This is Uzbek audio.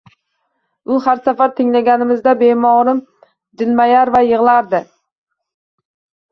Har safar tinglaganimizda bemorim jilmayar va yig`lardi